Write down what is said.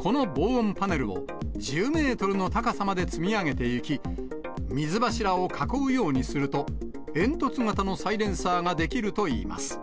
この防音パネルを１０メートルの高さまで積み上げていき、水柱を囲うようにすると、煙突型のサイレンサーが出来るといいます。